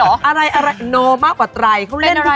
ออกกำลังมากกว่าตรายเค้าเล่นทุกอย่างเลย